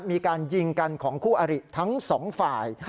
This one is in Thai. มีการยิงกันของคู่อริทั้งสองฝ่าย